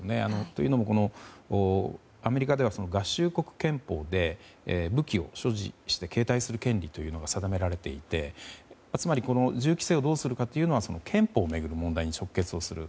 というのもアメリカでは合衆国憲法で武器を所持して携帯する権利が定められていてつまり銃規制をどうするかというのは憲法を巡る問題に直結をする。